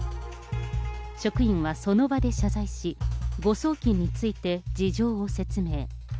職員はその場で謝罪し、誤送金について事情を説明。